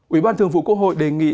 ủy ban thường vụ quốc hội đề nghị